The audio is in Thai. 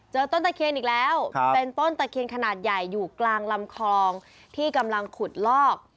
ต้นตะเคียนอีกแล้วเป็นต้นตะเคียนขนาดใหญ่อยู่กลางลำคลองที่กำลังขุดลอก